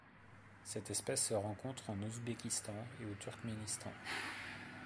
Cette espèce se rencontre en Ouzbékistan et au Turkménistan.